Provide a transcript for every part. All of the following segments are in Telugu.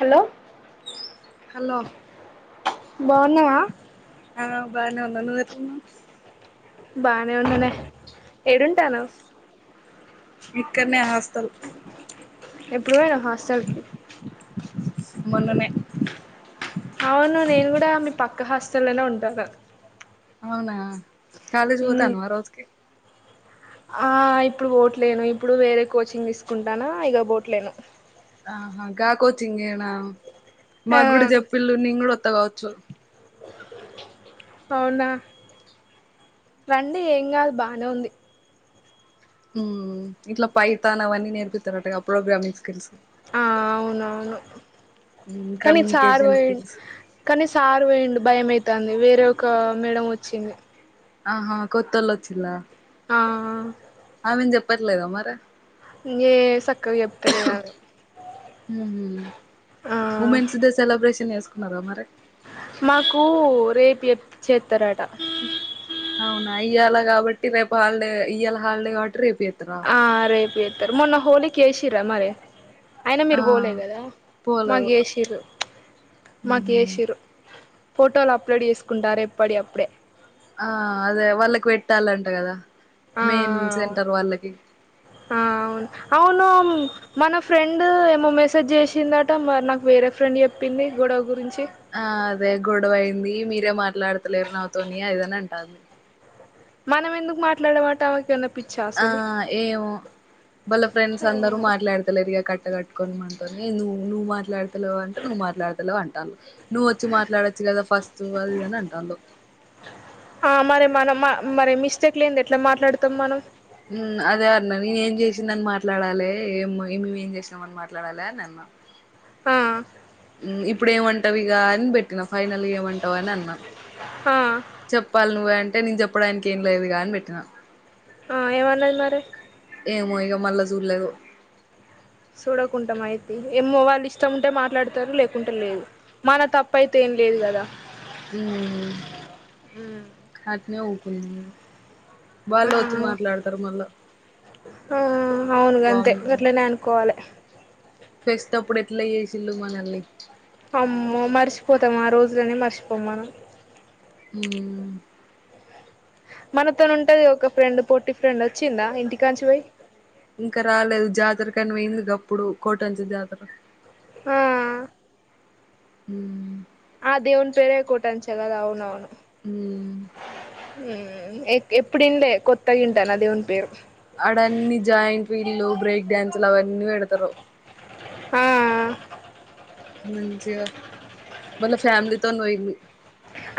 హలో హలో బాన్నవా ఆబాన్న నువ్వేట్లున్న వ్ బానే ఉన్నానే ఏడుంటా న్నవ్ ఇక్కడ్నే హాస్ట ఎప్పుడు పోయినావు హాస్ట ల్కి మొన్ననే అవును నేను కూడా మీ పక్క హాస్టల్లో లోనే ఉంటాను తగ అవునా కాలేజ్ ఉమ్ పొతాన వ రోజకి ఆ ఇప్పుడు పోట్లేను ఇప్పుడు వేరే కోచింగ్ తీసుకుంటానా ఇగ పోట్లేను ఆహా గా కోచ్చింగేనా ఆ మూకుడు చెప్పిల్లు నేను కూడా ఒ కావచ్చు అవునా రండి ఏం కాదు బానే ఉంది ఉ ఇట్లా పైతాన్ అవన్నీ నేర్పితరంటగా ప్రోగ్రామింగ్ స్కిల్స్ ఆ అవునవును కానీ కమ్యూనికేషన్ సార్వయి స్కిల్స్ కానీ సార్ వొయిండు భయం కాని వేరే ఒక మేడం వచ్చింది ఆహా కొత్తల్లు వచ్చిల్లా ఆ ఆమెను చెప్పట్లేద మరి ఏ సక్కగా చెప్తలేదామె ఉ హు ఆ వుమెన్స్ డే సెలబ్రేషన్ చేసు మరే మరి మాకు రేపు చేత్తరట అవునా ఇయ్యాల కాబట్టి రేపు హాలిడే ఇయాల హాలిడే కాట్టి రేపు చేత్తరా ఆ రేపు ఏతర్ మొన్న హోలీకి ఏసీ చిరా మారే అయినా ఆ మీరు పోలేదు కదా మాకు పోలేదు చేసిరు మాకు ఉహు ఏషిరు ఫోటోలు అప్లోడ్ చేసుకుంటారు ఎప్పటి అప్పుడే ఆ అదే వాళ్ళకి పెట్టాలంట కదా ఆ మెయిన్ సెంటర్ వాళ్ళకి ఆ అవును అవును మన ఫ్రెండ్ ఏమో మెసేజ్ చేసిందట మరి నాకు వేరే ఫ్రెండ్ చెప్పింది గొడవ గురించి ఆ అదే గొడవైంది మీరే మాట్లాడతలేరు నాతోని అని అంటాంది మనం ఎందుకు మాట్లాడమాట ఆమెకన్న ఆ ఏమో వాళ్ళ ఫ్రెండ్స్ అందరూ మాట్లాడతలేరు ఈ కట్ కట్టుకనిమనని నువ్వు నువ్ మాట్లాడతావు అంటే నువ్వు మాట్లాడతావు అంట ట నువ్వు వచ్చి మాట్లాడచ్చు కదా ఫస్ట్ అది ఇది అని అంటాందో మా మరి మిస్టేక్ లేనిది ఎట్లా మాట్లాడుతాం మనం ఉమ్ అదే అన్న నేనే ఏం చేసిందని మాట్లాడాలే ఏం మే ఏం చేసినామ అని మాట్లాడాలి అని అన్న ఆ ఇప్పుడు ఏమంటావి ఇగ అని పెట్ ఫైనల్ గా ఏమంటావు అని అన్నా ఆ చెప్పాలి నువ్వ అంట అంటే నేను చెప్పడానికి ఏం లేదు అని పెట్టినా ఆ ఏమన్నది మరి ఏమో ఇగ మళ్ళా చూడలేదు చూడకుండాాం అయితే ఏమో వాళ్ళు ఇష్టం ఉంటే మాట్లాడతారు లేకుంటే లేదు మన తప్పు అయితే ఏం లేదు కదా ఉ ఆ ఊకున్నము. ఆ ఆ అవునుగా గంతే వామ్మో గాట్లనే అనుకోవాలే ఎట్ల చేసింన్లు మనల్ని అమ్మో మర్చిపోతం ఆ రోజులనే మర్చిపోం మంనం మ్ మనతోన్ ఉంటది ఒక ఫ్రెండ్ పొట్టి ఫ్రెండ్ వచ్చిందా ఇంటికాంచి పోయి ఇంకా రాలేదు జాతరకని పోయింది గప్పుడు కోటంచ జాతర ఆ హ్మ్ ఆ దేవున్ పేరే కోటంచ్ గదా అవునవును. మ్ ఎప్పుడ్ ఇన్లే కోత్త ఇంటాన్న దేవున్ పేరు అడన్నీ జాయింట్ వీల్లు బ్రేక్ డాన్సులు అవన్నీ పెడతరు. ఆ మంచిగా వాళ్ళ ఫ్యామిలీతోన్ పోయింది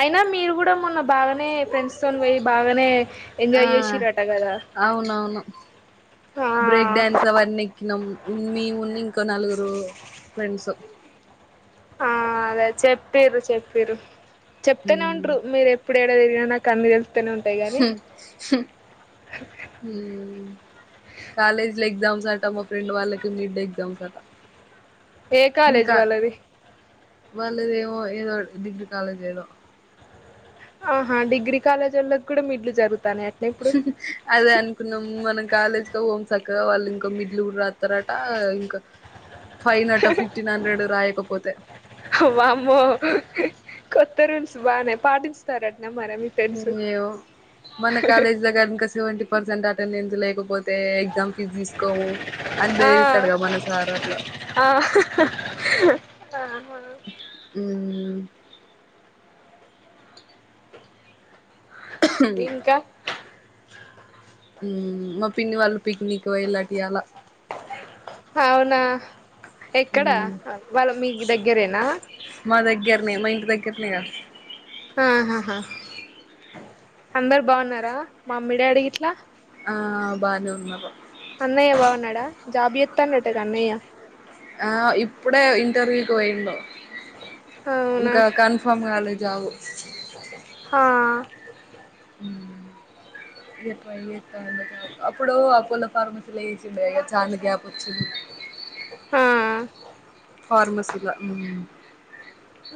అయినా మీరు గుడా మొన్న బాగానే ఫ్రెండ్స్తోన్ పోయి బాగానే ఆ ఎంజాయ్ చేసిరట కదా అవునవును మేమున్న ఇంకో నలుగురు ఫ్రెండ్స్ ఆ అదే చెప్పింరు చెప్పింరు చెప్తనే ఉంటరు మీర్ ఎప్పు ఏడ తిరిగినా నాక్ అన్ని తెల్ కాలేజ్లో ఎగ్జామ్ మా ఫ్రెండ్ వాళ్ళకి మిడ్ ఎగ్జామ్స్ అట ఏ కాలేజ్ ఇంకా వాళ్ళది వాళ్ళదేమో ఏదో డిగ్రీ కాలేజ్ ఏదో ఆహా డిగ్రీ కాలేజ్ల్లోకి కూడా మిడ్లు జరుగు అదే అనుకున్నాం మనం కాలేజ్కే పోము స క్కగా వాల్ ఇంకా మిడ్ లు రాస్తారట ఇంకా ఫైన్ అట ఫిఫ్టీన్ హండ్రెడ్ రాయకపోతే వామ్మో కొత్త రూల్స్ బానే పాటించుతాన్రట్ ఏమో మన కాలేజల గనక సెవెంటీ పర్సెంట్ అ అటెండెన్స్ లేకపో తే ఎగ్జామ్ ఫీజ్ తీసుకోము అని ఆ బేదిరిస్తాడుగా మన సార్ అట్లా ఆ మ్ ఇంకా మ్ మా పిన్ని వాళ్ళు పిక్నిక్ పోయిన్లట ఇయాల ఎక్కడా వాళ్ళు మీకు దగ్గరేనా కిని ఆహాహా అందరు బాగున్నారా మమ్మి డాడి గిట్లా ఆ బాలు అన్నయ్య బావున్నాడా జాబ్ చేతాన్నాట అన్నయ్య ఆ ఇప్పుడే ఇంటర్వ్యూకి పోయిండు. ఇంకా కన్ఫర్మ్ కాలేదు. రావు హ ఏ ఏ అప్పుడు అప్పులో ఫార్మసీలో చేసిండేగా చాల గ్యాప్ వచ్చింది. హా ఫార్మసీల ఉమ్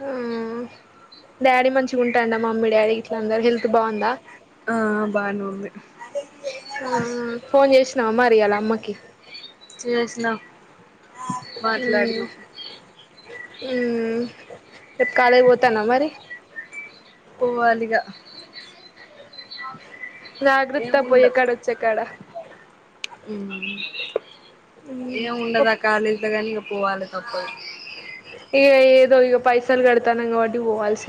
ఆ డాడీ మంచిగా ఉంటాండమ్. మమ్మీ డాడీ ఇట్ల అందరు హెల్త్ బాగుందా. అంతే ఆ ఆ ఫోన్ చేసినవ నంబర్ ఇయ్యాల మ్మకి చేషిన ఉమ్ ఉమ్ రేపు కాలేజ్ కి పోతానావ మరి పోవాలిగా జాగ్రత్త పోయి ఎ ఏముండదు కాడ వచ్చ కాడ ఏం ఉండదు ఆ కాలేజీలో కాని పోవాలి తప్పదు ఇగ ఏదో ఈగ పైసలు గడతానం కాబట్టి పోవల్సి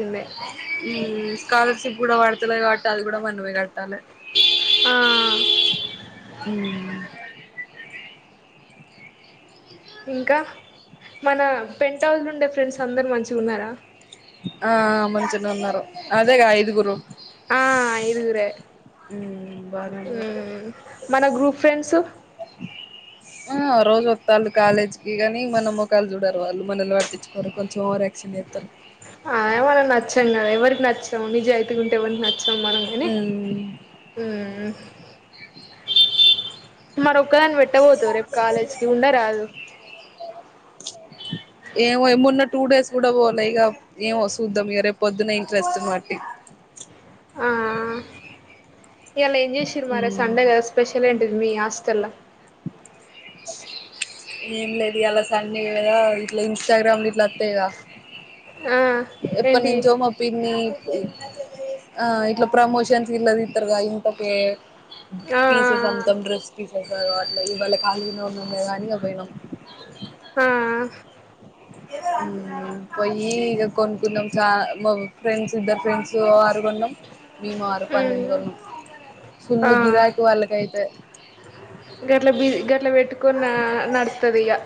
స్కాలర్షిప్ కూడా వాడుతు కాట్ అది కూడా మనమే కాట్టి ల ఆ ఉమ్ ఇంకా మన పెన్ట్ హౌస్ ఉండే ఫ్రెండ్స్ అందరు మంచిగ ఉన్నారా ఆ మంచనే ఉన్నారు అదేగా ఐదుగురు ఆ ఐదుగురే బానే ఉన్నారు ఊమ్ మన గ్రూప్ ఫ్రెండ్స్ ఆ రోజు వస్త వాళ్ళు కాలేజ్కిి కాని మనం ఒకకాళ్ళ చూడరు వాళ్ళు మనల్ని పట్టించుకోరు కొంచెం ఓర్యాక్షన్ వేస్తారు ఆ మనం నచ్చాం కదా ఎవరికి నచ్చము నిజం అవుతుకుంటే ఎవరిని నచ్చ సో మరంగానే మర ఒక్కదాన్ని పెట్టబోతవు రేపు కాలేజ్కిి ఉండరాదు ఏమో మొన్న టూ డేస్ కూడా పోవాలి ఇక ఏం వస్తుూద్దాం ఇక రేపు పొద్దున ఇంట్రెస్ట్ మట్టి ఆ ఇలా ఏం చేసిర మే సండేగా స్పెషల్ంటి ది మీ ఆస్ తెల ఏం లేదు ఇలా సండే కదా ఇట్లా ఇంస్టాగ్రామ్లు ఇట్లా అత్తాయిదా ఆ ఎప్ప ఏంటి నించో మా ప ఆ ఇట్లా ప్రమోషన్స్ ఇల్ళదు ఇతరుగా ఇంకకే ఆ పీసెస్ అంతాం డ్రెస్ీసె అట్లా ఇవాళ కాల్గ అగానిగా పోయినా ఆ పయి ఇ కొనుకుందం చా ఫ్రెండ్స్ ఇద్ద ఫ్రెండ్స్ గొండం మేము ఆారు పన్నెండు ఉమ్ గండం ఆ సుళ్ళలు గిరాకు వాళ్ళకైతే కొన్న నతుదియ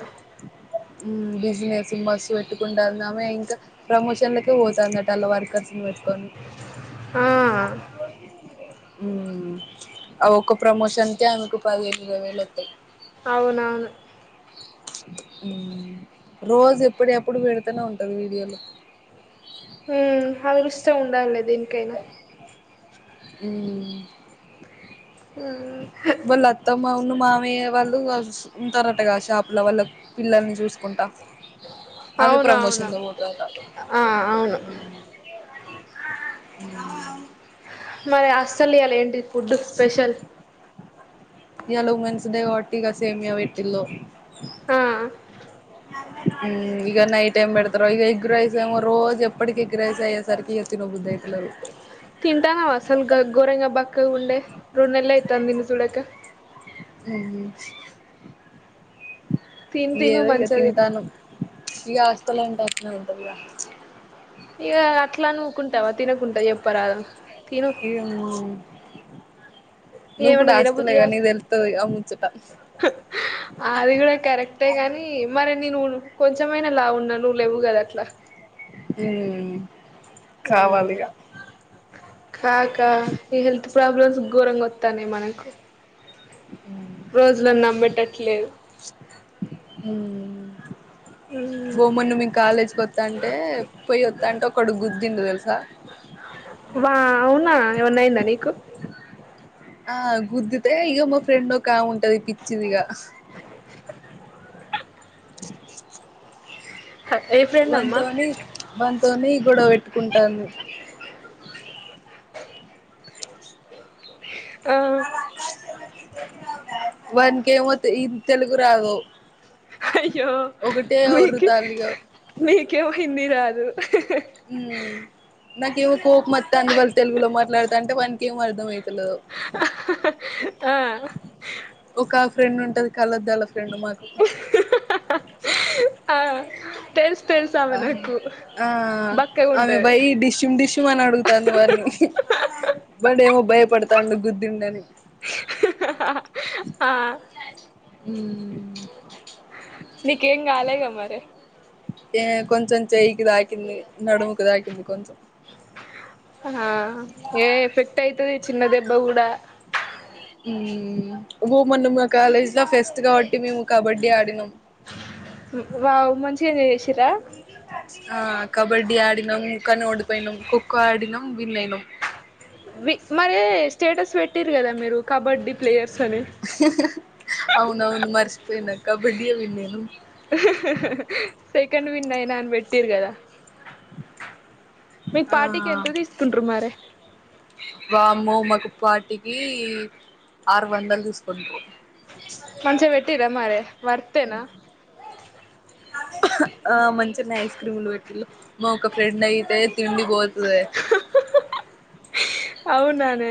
బిజినెస్ మస్సు పెట్టుకుంటడా ఆమె ఇంకా ప్రమోషన్లకే పోతు అన్నటలా వర్కర్స్ పెట్టు కొ ఆ ఆ ఒక్క ప్రమోషన్కిే ఆమెకు పది ఇరవై వేలు వస్తాయి అవునవును రోజు ఎప్పుడు ఎప్పుడు పెడితేనే ఉంటది వీడియోలు ఉ అరు ఇష్ట ఉంట ాలే దీనికనా ఈ అ అమాబా వాళ్ళు వస్ ఉంటారటగా షాపుల వాళ్ళ పిల్లల్ని చూసుకుంటా ఆమె అవును అవును ప్రమోషన్ లో పోతదట ఆ అవును అ మరి అస్సల్యలు ఏంటి ఫుడ్ స్పెషల్ ఇవాలా ఉమెన్స్ డే వాటి సేమయా పెటిల్లు ఆ ఇక నైట్ ఎమ్ పెడతారారో ఈక ఎగ్రైస్ రోజు ఎప్పటికి ఎగ్రైస్ సరికి తిన్నబుద్ధియితలే తింటానావ అసల్కే గోరంగ బక్కగా ఉండే రెండు నెల్లు అయితంది నిన్ను సూడక మ్మ్ హ్మ్ తిన్ తిను మంచిగా తిను ఇగ వస్తతలే అంటన్నావంట ఇగ ఇగ అట్లాని ఊకుంటావా తినకుంటా చెప్పరా తిను ఇగ నువ్వు కూడా ఏమన్నా హాస్టలే తినబుద్ధి గా గాదు నీకు తెలుత్తది ఆ ముచ్చట అది కూడా కరెక్టే గానీ మరి నేను కొంచెంమైనా లావున్నా నువ్వు లేవ్వుగాద అట్లా మ్మ్ ఉమ్ కావాలిగా కాక ఈ హెల్త్ ప్రాబ్లమ్స్ ఘోరంగా తనే మనకు రోజులను నమ్మేట్టు లేదు గొమ్మున మేం కాలేజీకొత్తాంటే పోయి ఒత్తాంటే ఒకడు గుద్ దిండు తెలుసా వా అవునా ఏమన్నా అయిందా నీకు ఆ గుద్దితే ఇగ మా ఫ్రెండ్ ఓకా ఆమె ఉం టది పిచ్చిదిగా ఏ ఫ్రెండ్ అమ్మా వంతు అని వంత్ తోని గోడవ పె ట్టుకుంటాంది ఆ వానికేం వత్తు ఈం తెలుగు రావు యో మీకే మీకే హిందీ రాదు మ్మ్ నాకేమో కోపమోత్తాంది వాళ్ళు తెలుగులో మాట్లాడతాంటే వానికేమో అర్ధంమైతలేవు ఆ ఒక ఫ్రెండ్ ఉంటది కళ్లద్దాల ఫ్రెండ్ మాకు ఆ తెలుస్ ఆ ఆ బక్కగా ఆమె ఉంటది వై డిష్యుం డిష్యుం అని అడుగుతాంది వాడ్నీ వాడేమో బయ్ పడతాండు గుద్దిండని ఆ మ్మ్ నీకేం కాలేగా మరి ఏ కొంచెం చెయ్యికి తాకింది నడుముకి తాకింది కొంచెం ఆ ఏ ఎఫెక్ట్ అయితది చిన్న దెబ్బ కూడాడా ఉమ్ బుమాన్ అన్నా మా కాలేజ్ లో ఫెస్ట్ కాబట్టి మేము కబడ్డీ ఆడినాం వా మంచిగా ఎంజాయ్ చేసరాా కుక్కను డిపోయినం కుక్క ఆడినం విన్నయన పట్టర్ కదా మీరు కబడ్డీ ప్లేయర్ అవున అవును మర్చపోయినకు కబదియన్ నేను సెకండ్ విన్నాయినా పెట్టరు కదా మీకు ఆ పార్టీకి ఎంత తీసుకుంటారు మారే అమ్మ మకుపాటికి ఆరు వందలు తీసుకుంట మంచి పెట్టరా మారే వర్తనా ఆ మంచినే ఐస్ క్రీమ్లు పెట్టిళ మా ఒక ఫ్రెండ్ అయితే తిండిపోతుంది అవున్నాను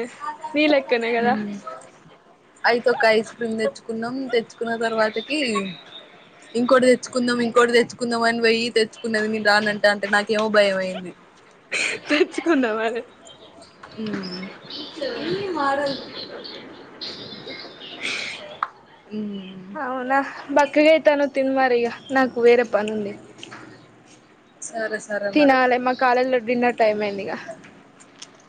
అయితే ఒ ఒక ఐస్ క్రీమ్ నచ్చ తెచ్చకున్నాం తెచ్చుకున్న తర్వాతకి ఇంకోటి తెచ్చుకుందాం ఇంకోటి తెచ్చుకుందాం అని పోయి తెచ్చుకున్నది నేను రానంటే అంటే నాకేమో భయం అయింది తెచ్చుకున్నా మరి ఉమ్ అవునా బక్కగా అయితను తిన్మారయ్య నాకు వేరే పనుంది సరే సరే మరి తినాలి మా కాాలల్లో డిన్నర్ టైమ్ అయిందిగా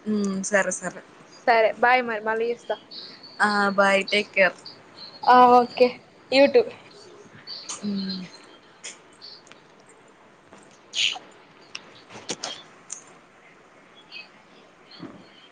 ఉ సరే సరే సరే బాయ్ మరి మళ్ళీ చేస్తా ఆ bye take care okay YouTube ఉమ్ ఆ ఓ